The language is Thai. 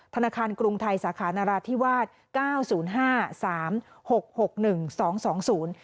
ธนาคารกรุงไทยสาขานราธิวาสเก้าศูนย์ห้าสามหกหกหนึ่งสองสองศูนย์